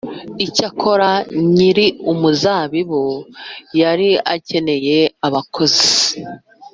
Icyakora nyir’uruzabibu yari akeneye abakozi